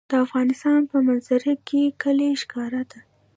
د افغانستان په منظره کې کلي ښکاره ده.